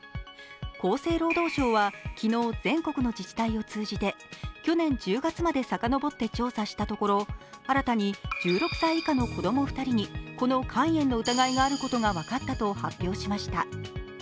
厚生労働省は昨日、全国の自治体を通じて去年１０月までさかのぼって調査したところ、新たに１６歳以下の子供２人にこの肝炎の疑いがあることが分かったと発表しました。